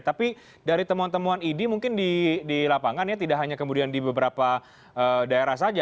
tapi dari temuan temuan idi mungkin di lapangan ya tidak hanya kemudian di beberapa daerah saja